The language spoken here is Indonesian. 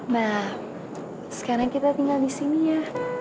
nah sekarang kita tinggal di sini ya